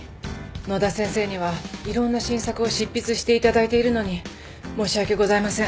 野田先生にはいろんな新作を執筆していただいているのに申し訳ございません